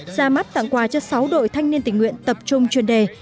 ra mắt tặng quà cho sáu đội thanh niên tình nguyện tập trung chuyên đề